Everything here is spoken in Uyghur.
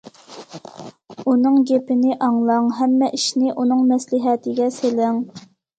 ئۇنىڭ گېپىنى ئاڭلاڭ، ھەممە ئىشنى ئۇنىڭ مەسلىھەتىگە سېلىڭ.